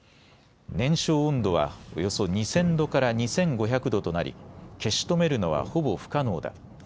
燃焼温度はおよそ２０００度から２５００度となり消し止めるのは、ほぼ不可能だ。